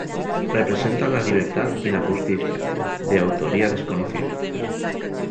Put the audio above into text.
Representan la Libertad y la Justicia, de autoría desconocida.